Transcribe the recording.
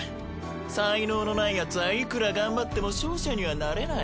才能のないヤツはいくら頑張っても勝者にはなれない。